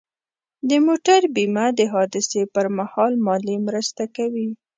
د موټر بیمه د حادثې پر مهال مالي مرسته کوي.